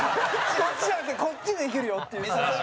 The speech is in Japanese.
こっちじゃなくてこっちできるよっていう。